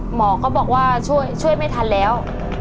หมอก็บอกว่าช่วยไม่ทันแล้ว